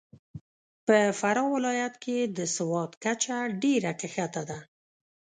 په فراه ولایت کې د سواد کچه ډېره کښته ده .